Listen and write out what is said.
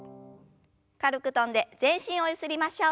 軽く跳んで全身をゆすりましょう。